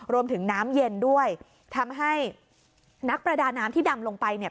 รวมถึงน้ำเย็นด้วยทำให้นักประดาน้ำที่ดำลงไปเนี่ย